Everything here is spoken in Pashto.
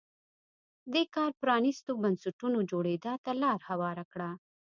دې کار پرانیستو بنسټونو جوړېدا ته لار هواره کړه.